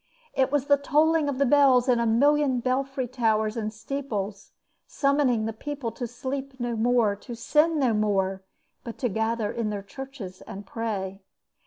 It was the tolling of the bells in a million belfry towers and steeples, summoning the people to sleep no more, to sin no more, but to gather in their churches and pray.